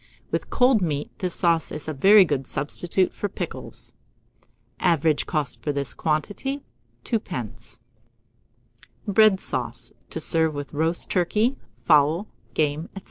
With cold meat, this sauce is a very good substitute for pickles. Average cost for this quantity, 2d. BREAD SAUCE (to serve with Roast Turkey, Fowl, Game, &c.).